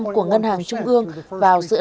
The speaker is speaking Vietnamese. của ngân hàng trung ương vào giữa